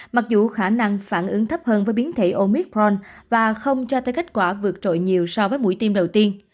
mặc dù khả năng phản ứng thấp hơn với biến thể omicron và không cho tới kết quả vượt trội nhiều so với mũi tiêm đầu tiên